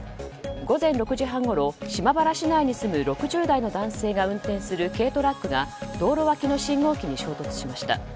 午前６時半ごろ島原市内に住む６０代の男性が運転する軽トラックが道路脇の信号機に衝突しました。